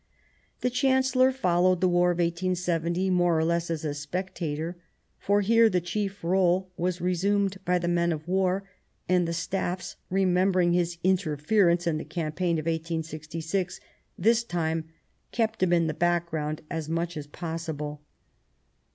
The Chancellor followed the war of 1870 more or less as a spectator ; for here the chief role was resumed by the men of war, and the Staffs, remem bering his interference in the campaign of 1866, this time kept him in the background as much as possible.